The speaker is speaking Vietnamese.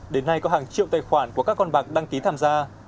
đến nay có hàng triệu tài khoản của các con bạc đăng ký tham gia